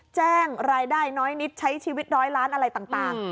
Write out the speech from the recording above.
แจ้งรายได้น้อยนิดใช้ชีวิตร้อยล้านอะไรต่าง